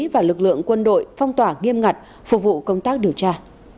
và lực lượng quân đội phong tỏa nghiêm ngặt phục vụ công tác điều tra